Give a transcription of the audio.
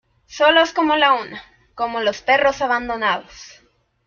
solos como la una, como los perros abandonados.